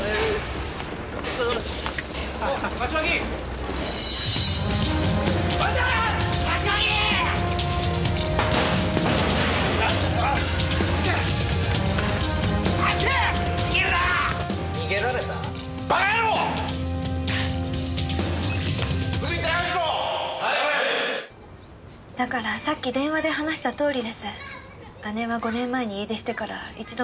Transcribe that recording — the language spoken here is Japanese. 姉は５年前に家出してから一度も帰っていません。